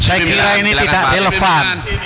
saya kira ini tidak relevan